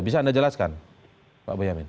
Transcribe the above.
bisa anda jelaskan pak boyamin